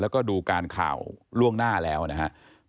แล้วก็ดูการข่าวล่วงหน้าแล้วนะครับ